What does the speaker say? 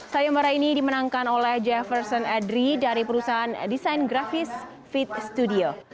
sayembara ini dimenangkan oleh jefferson edry dari perusahaan desain grafis fit studio